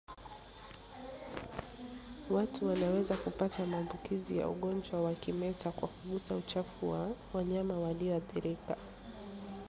Watu wanaweza kupata maambukizi ya ugonjwa wa kimeta kwa kugusa uchafu wa wanyama walioathirika